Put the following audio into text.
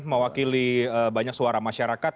mewakili banyak suara masyarakat